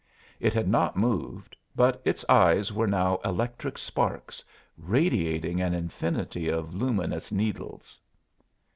It had not moved, but its eyes were now electric sparks, radiating an infinity of luminous needles.